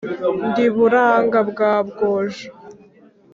ndi buranga bwa Bwojo